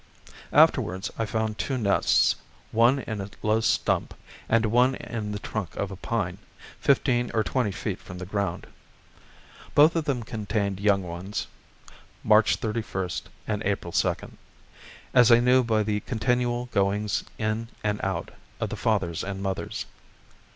Afterwards I found two nests, one in a low stump, and one in the trunk of a pine, fifteen or twenty feet from the ground. Both of them contained young ones (March 31 and April 2), as I knew by the continual goings in and out of the fathers and mothers.